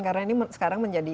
karena ini sekarang menjadi